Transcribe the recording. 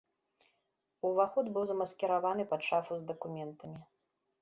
Уваход быў замаскіраваны пад шафу з дакументамі.